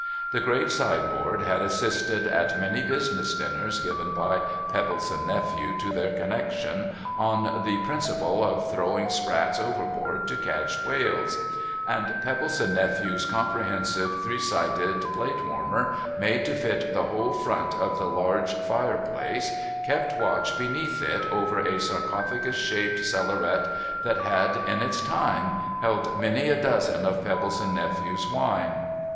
The great sideboard had assisted at many business dinners given by Pebbleson Nephew to their connection, on the principle of throwing sprats overboard to catch whales ; and Pebbleson Nephew's comprehensive three sided plate warmer, made to fit the whole front of the large fire place, kept watch beneath it over a sarcophagus shaped ctllaret that had in its time held many a dozen of Pebbleson Nephew's wine.